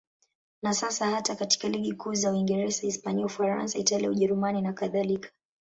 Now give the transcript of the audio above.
Na sasa hata katika ligi kuu za Uingereza, Hispania, Ufaransa, Italia, Ujerumani nakadhalika.